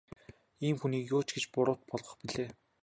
Ийм хүнийг юу ч гэж буруут болгох билээ.